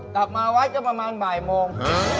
กลับมาไว้ก็ประมาณบ่ายโมง